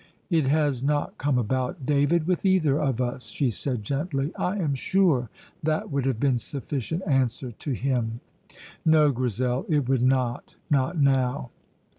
"It has not come about, David, with either of us," she said gently. "I am sure that would have been sufficient answer to him." "No, Grizel, it would not, not now."